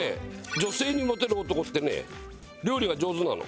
女性にモテる男ってね料理が上手なの。